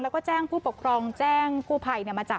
แล้วก็แจ้งผู้ปกครองแจ้งกู้ภัยมาจับ